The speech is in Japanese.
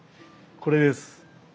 これです。